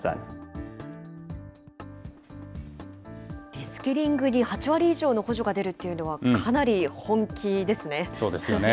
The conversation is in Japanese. リスキリングに８割以上の補助が出るっていうのは、かなり本そうですよね。